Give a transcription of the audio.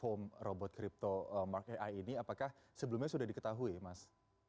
yang total total kerugian di dua grup ini saja sudah empat dua miliar rupiah